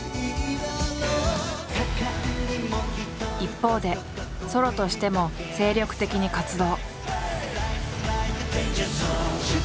一方でソロとしても精力的に活動。